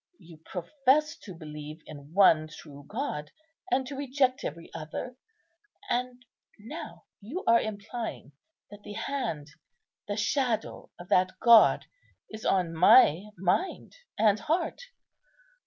You profess to believe in One True God, and to reject every other; and now you are implying that the Hand, the Shadow of that God is on my mind and heart.